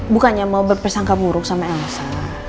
bukannya mau berpersangka buruk sama elsa